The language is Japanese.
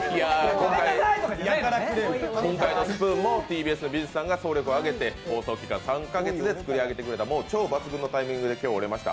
今回のスプーンもＴＢＳの美術さんが総力を挙げて構想期間３か月で作り上げてくれた超抜群のタイミングで今日、折れました。